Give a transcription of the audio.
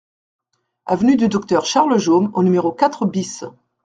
Avenue du Docteur Charles Jaume au numéro quatre BIS